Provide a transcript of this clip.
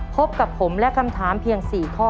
พบกับผมและคำถามเพียง๔ข้อ